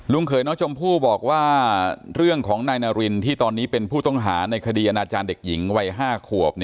เขยน้องชมพู่บอกว่าเรื่องของนายนารินที่ตอนนี้เป็นผู้ต้องหาในคดีอนาจารย์เด็กหญิงวัย๕ขวบ